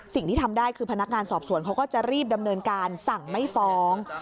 สิ่งที่ทำได้คือพนักงานสอบสวนเขาก็จะรีบดำเนินการสั่งไม่ฟ้อง